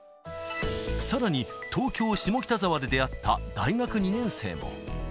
さらに、東京・下北沢で出会った大学２年生も。